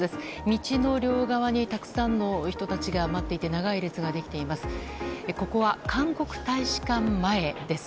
道の両側にたくさんの人たちが待っていて長い列ができています。